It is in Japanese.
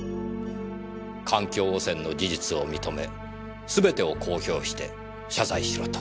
環境汚染の事実を認め全てを公表して謝罪しろと。